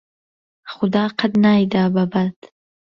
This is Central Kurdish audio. خودا قهت نایدا به باد